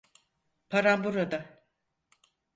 Paran burada.